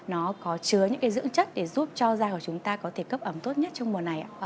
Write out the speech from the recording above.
nó có chứa những dưỡng chất để giúp cho da của chúng ta có thể cấp ẩm tốt nhất trong mùa này